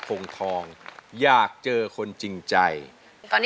สีหน้าร้องได้หรือว่าร้องผิดครับ